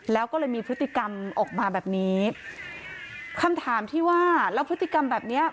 แล้วก็เลยมีพฤติกรรมออกมาแบบนี้คำถามที่ว่าแล้วพฤติกรรมแบบเนี้ย